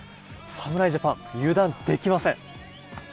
侍ジャパン油断できません。